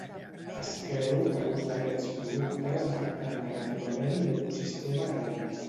Es creu que l'ús d'aquests productes ha afectat negativament l'ecosistema agrari.